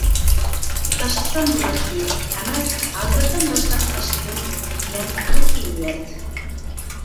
«تاشلىسام بولاتتى» ئەمەس «ھازىردىن باشلاپ تاشلىدىم» دېگەن قەتئىي نىيەت!